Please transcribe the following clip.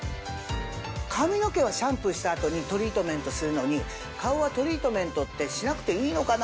髪の毛はシャンプーした後にトリートメントするのに顔はトリートメントってしなくていいのかな？